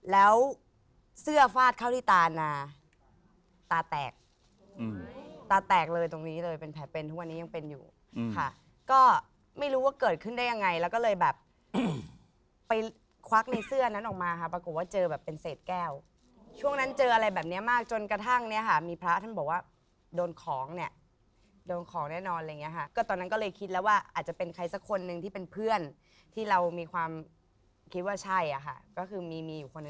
แล้วเสื้อฟาดเข้าที่ตานาตาแตกตาแตกเลยตรงนี้เลยเป็นแผลเป็นทุกวันนี้ยังเป็นอยู่ค่ะก็ไม่รู้ว่าเกิดขึ้นได้ยังไงแล้วก็เลยแบบไปควักในเสื้อนั้นออกมาค่ะปรากฎว่าเจอแบบเป็นเศษแก้วช่วงนั้นเจออะไรแบบนี้มากจนกระทั่งเนี่ยค่ะมีพระท่านบอกว่าโดนของเนี่ยโดนของแน่นอนอะไรอย่างเงี้ยค่ะก็ตอนนั้นก็เลย